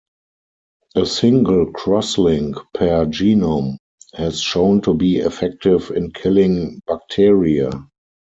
A single crosslink per genome has shown to be effective in killing bacteria.